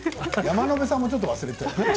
山野辺さんもちょっと忘れてたよね？